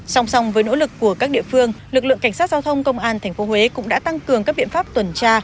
song song với nỗ lực của các địa phương lực lượng cảnh sát giao thông công an tp huế cũng đã tăng cường các biện pháp tuần tra